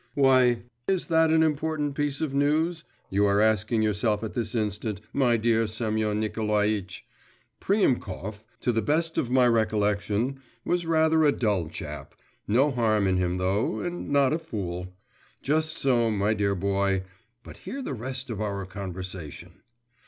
'Why, is that an important piece of news?' you are asking yourself at this instant, my dear Semyon Nikolaitch. 'Priemkov, to the best of my recollection, was rather a dull chap; no harm in him though, and not a fool.' Just so, my dear boy; but hear the rest of our conversation.